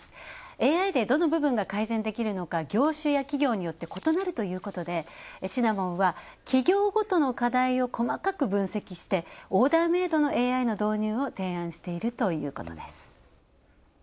ＡＩでどの部分が改善できるのか、業種や企業によって異なるということで、シナモンは企業ごとの課題を細かく分析して、オーダーメードのＡＩの導入を提案しているということです。